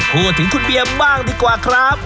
พูดถึงคุณเบียร์บ้างดีกว่าครับ